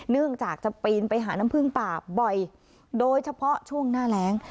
เนื่องจากจะปีนไปหาน้ำพึ่งป่าบ่อยโดยเฉพาะช่วงหน้าแรง